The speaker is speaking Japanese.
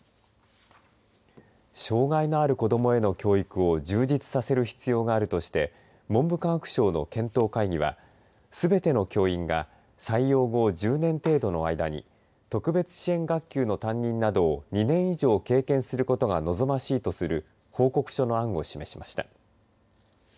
障害のある子どもへの教育を充実させる必要があるとして文部科学省の検討会議はすべての教員が採用後、１０年程度の間に特別支援学級の担任などを２年以上、経験することが望ましいとする報告書の案を示しました。